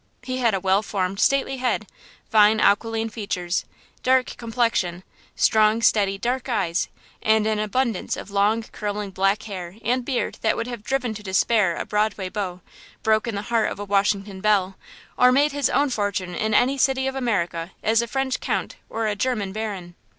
He had a well formed, stately head, fine aquiline features, dark complexion, strong, steady, dark eyes, and an abundance of long curling black hair and beard that would have driven to despair a Broadway beau, broken the heart of a Washington belle, or made his own fortune in any city of America as a French count or a German baron!